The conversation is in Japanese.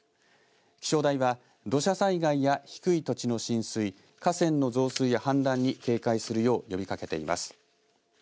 気象台は土砂災害や低い土地の浸水河川の増水や氾濫に警戒するよう呼びかけています。